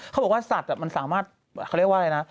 เขาบอกว่าสัตว์มันสามารถเขาเรียกว่าอะไรนะ